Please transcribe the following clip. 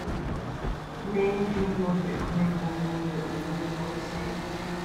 "Men dream more about coming home than about leaving," the boy said.